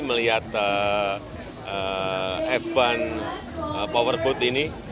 melihat f satu powerboat ini